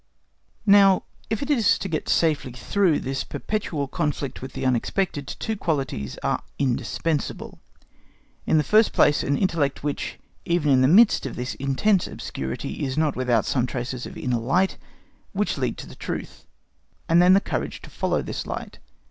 Now, if it is to get safely through this perpetual conflict with the unexpected, two qualities are indispensable: in the first place an intellect which, even in the midst of this intense obscurity, is not without some traces of inner light, which lead to the truth, and then the courage to follow this faint light.